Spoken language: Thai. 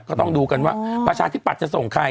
ก็ต้องดูกันว่าประชาธิปัตย์จะส่งใคร